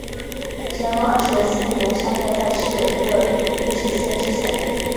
乾隆二十四年三月再次任邻水县知县。